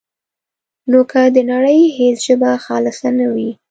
نو که د نړۍ هېڅ ژبه خالصه نه وي،